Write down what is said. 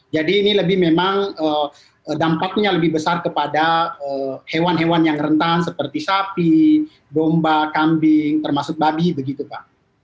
jadi ini memang dampaknya lebih besar kepada hewan hewan yang rentan seperti sapi bomba kambing termasuk babi begitu pak